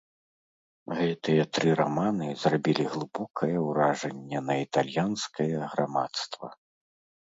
Гэтыя тры раманы зрабілі глыбокае ўражанне на італьянскае грамадства.